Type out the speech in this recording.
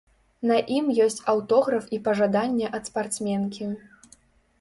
На ім ёсць аўтограф і пажаданне ад спартсменкі.